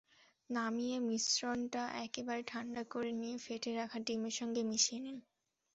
নামিয়ে মিশ্রণটা একেবারে ঠান্ডা করে নিয়ে ফেটে রাখা ডিমের সঙ্গে মিশিয়ে নিন।